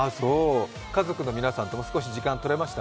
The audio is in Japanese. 家族の皆さんと少し時間取れました？